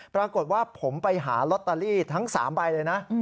ปรากฏว่าผมไปหาลอตเตอรี่ทั้ง๓ใบเลยนะ